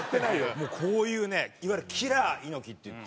もうこういうねいわゆるキラー猪木っていって。